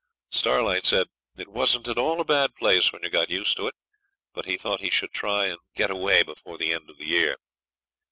Starlight said it wasn't at all a bad place when you got used to it, but he thought he should try and get away before the end of the year.